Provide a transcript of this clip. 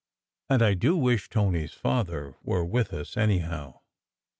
And I do wish Tony s father were with us, any how."